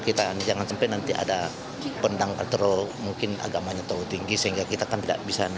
ketua majelis akuxirana menjelaskan tujuan yang diperjualkan dikarenakan dan dikehentikan oleh kerepasannya